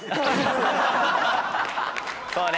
そうね。